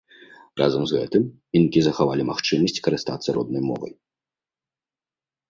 Разам з гэтым, інкі захавалі магчымасць карыстацца роднай мовай.